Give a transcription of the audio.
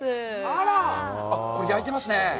これ、焼いてますね。